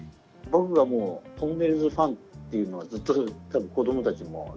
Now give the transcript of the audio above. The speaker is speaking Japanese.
僕がもうとんねるずファンっていうのはずっと多分子どもたちもずっと。